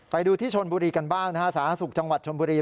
ไปดูที่ชนบุรีกันบ้างนะฮะสาธารณสุขจังหวัดชนบุรี